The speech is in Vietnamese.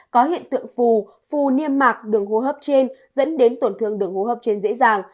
có hiện tượng phù phù niêm mạc đường hô hấp trên dẫn đến tổn thương đường hô hấp trên dễ dàng